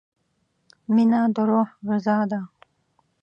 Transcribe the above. • مینه د روح غذا ده.